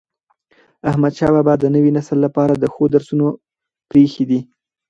احمدشاه بابا د نوي نسل لپاره د ښو درسونه پريښي دي.